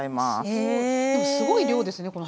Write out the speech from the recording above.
すごい量ですね